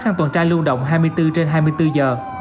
thang tuần tra lưu động hai mươi bốn trên hai mươi bốn giờ